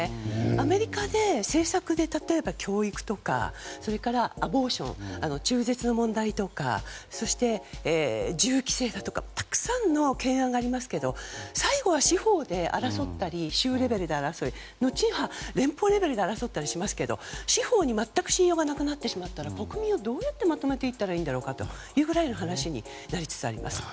アメリカで政策で例えば教育とかアボーション中絶の問題とか銃規制だとかたくさんの懸案がありますけど最後は司法で争ったり州レベルで争う、後には連邦レベルで争ったりしますけど司法に全く信用がなくなったら国民をどうまとめていったらいいかという話になりつつあります。